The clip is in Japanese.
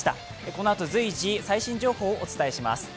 このあと随時、最新情報をお伝えします。